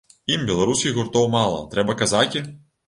Ім беларускіх гуртоў мала, трэба казакі?